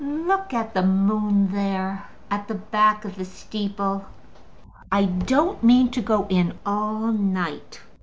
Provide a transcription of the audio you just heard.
Look at the moon there at the back of the steeple. I don't mean to go in all night."